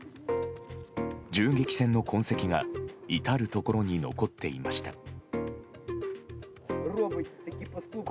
銃撃戦の痕跡が至るところに残っていました。